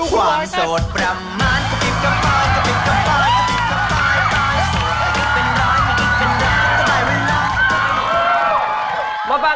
ความโสดประมาณ